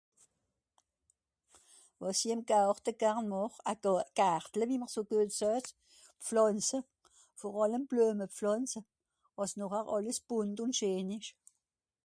wàs'i ìm Gàrte garn màch à teu Gartle wie mr so guet seut pflàntze vòr àllem Bleume pflàntze àss nòrar àlles Bùnd ùn scheen esch